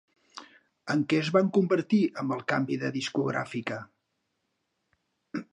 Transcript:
En què es van convertir amb el canvi de discogràfica?